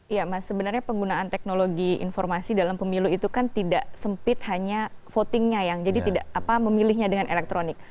iya mas sebenarnya penggunaan teknologi informasi dalam pemilu itu kan tidak sempit hanya votingnya yang jadi tidak memilihnya dengan elektronik